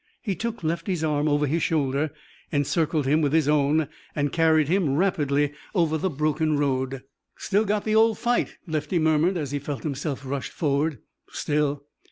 He took Lefty's arm over his shoulder, encircled him with his own, and carried him rapidly over the broken road. "Still got the old fight," Lefty murmured as he felt himself rushed forward. "Still."